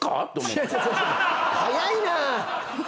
早いな。